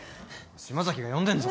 島崎が呼んでんぞ。